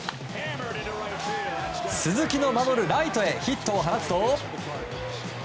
鈴木の守るライトへヒットを放つと。